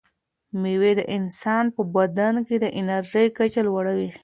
مېوې د انسان په بدن کې د انرژۍ کچه لوړوي.